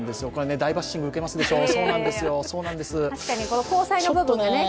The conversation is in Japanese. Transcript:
大バッシング受けますでしょう、そうなんです。